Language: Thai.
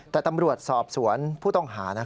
แต่ตำรวจสอบสวนผู้ต้องหา